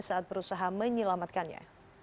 saat berusaha menyelamatkannya